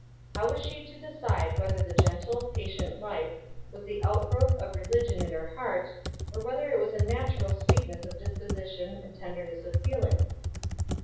How was she to decide whether the gentle, patient life was the outgrowth of religion in her heart, or whether it was a natural sweetness of disposition and tenderness of feeling?